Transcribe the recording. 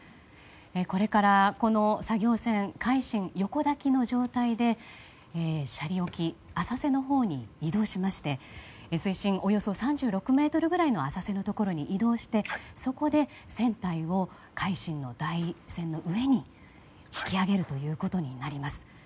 これから、この作業船「海進」と横抱きの状態で斜里沖浅瀬のほうまで移動しまして水深およそ３６ｍぐらいの浅瀬のところに移動してそこで船体を「海進」の台船の上に引き揚げるということになります。